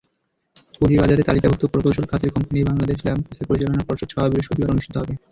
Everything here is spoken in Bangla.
পুঁজিবাজারে তালিকাভুক্ত প্রকৌশল খাতের কোম্পানি বাংলাদেশ ল্যাম্পসের পরিচালনা পর্ষদ সভা বৃহস্পতিবার অনুষ্ঠিত হবে।